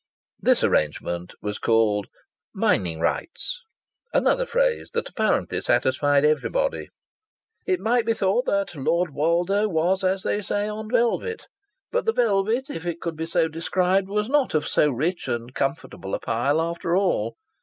This arrangement was called "mining rights," another phrase that apparently satisfied everybody. It might be thought that Lord Woldo was, as they say, on velvet. But the velvet, if it could be so described, was not of so rich and comfortable a pile after all.